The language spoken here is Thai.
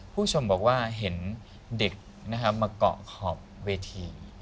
ผู้ชมบอกว่าเห็นเด็กมาเกาะขอบเวที